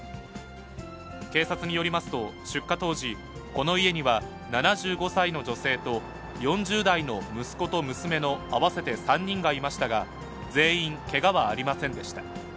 警察によりますと、出火当時、この家には７５歳の女性と、４０代の息子と娘の合わせて３人がいましたが、全員けがはありませんでした。